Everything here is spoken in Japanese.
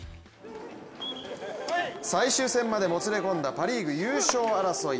最終戦までもつれ込んだパ・リーグ優勝争い。